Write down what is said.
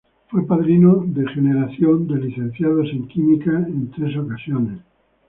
Fue padrino de generación de Licenciados en Química en tres ocasiones.